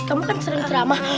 kamu kan sering drama